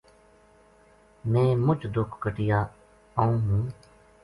میں مُچ دُکھ کٹیا آؤں ہوں